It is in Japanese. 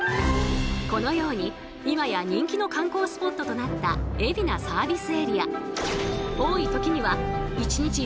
このように今や人気の観光スポットとなった海老名サービスエリア。